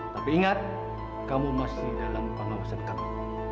tapi ingat kamu masih dalam pengawasan kami